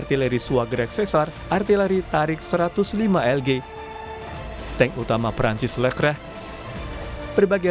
ini berarti dia akan mengambil bagian yang berbeda